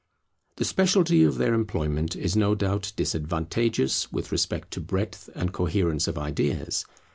The speciality of their employment is no doubt disadvantageous with respect to breadth and coherence of ideas.